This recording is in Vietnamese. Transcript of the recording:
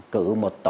cựu một tổ